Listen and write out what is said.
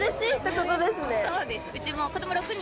そうです。